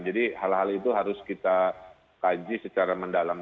jadi hal hal itu harus kita kaji secara mendalam